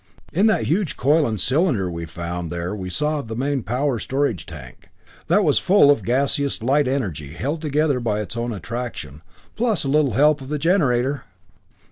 "In that huge coil and cylinder we found there we saw the main power storage tank. That was full of gaseous light energy held together by its own attraction, plus a little help of the generator!"